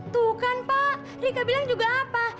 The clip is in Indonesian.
tuh kan pak rika bilang juga apa